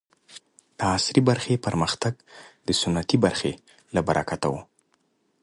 د عصري برخې پرمختګ د سنتي برخې له برکته و.